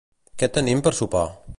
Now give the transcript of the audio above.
Què tenim per sopar?